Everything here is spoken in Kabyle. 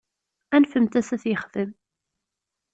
Anfemt-as ad t-yexdem.